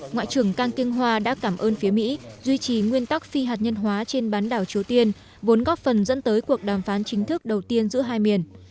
ngoại trưởng kang kinh hoa đã cảm ơn phía mỹ duy trì nguyên tắc phi hạt nhân hóa trên bán đảo triều tiên vốn góp phần dẫn tới cuộc đàm phán chính thức đầu tiên giữa hai miền